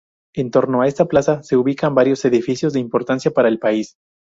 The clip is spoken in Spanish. En torno a esta plaza, se ubican varios edificios de importancia para el país.